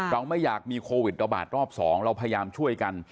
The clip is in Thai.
เราไม่อยากมีโควิดระบาดรอบ๒เราพยายามช่วยกัน